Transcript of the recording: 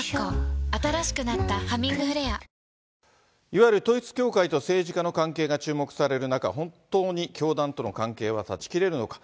いわゆる統一教会と政治家の関係が注目される中、本当に教団との関係は断ち切れるのか。